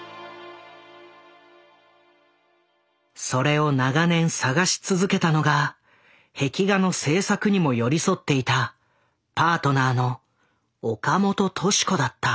それを長年探し続けたのが壁画の制作にも寄り添っていたパートナーの岡本敏子だった。